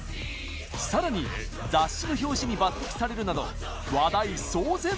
さらに雑誌の表紙に抜てきされるなど、話題騒然。